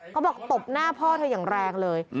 เขาบอกตบหน้าพ่อเธออย่างแรงเลย